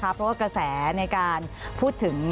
เพราะว่ากระแสในการพูดถึง